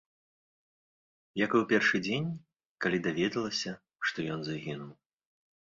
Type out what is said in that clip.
Як і ў першы дзень, калі даведалася, што ён загінуў.